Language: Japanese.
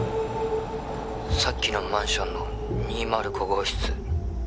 ☎さっきのマンションの２０５号室